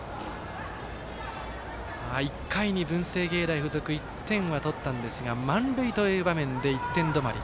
１回に文星芸大付属１点は取ったんですが満塁という場面で１点止まり。